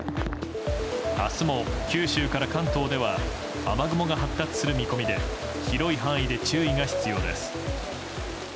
明日も九州から関東では雨雲が発達する見込みで広い範囲で注意が必要です。